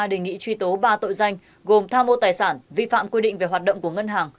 đề nghị truy tố ba tội danh gồm tha mô tài sản vi phạm quy định về hoạt động của ngân hàng